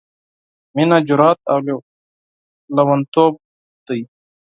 — مينه جرات او لېوانتوب دی...